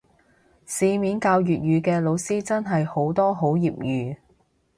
市面教粵語嘅老師真係好多好業餘